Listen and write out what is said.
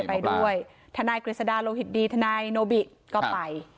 ไปด้วยทนายกฤษฎาโลหิตดีทนายโนบิก็ไป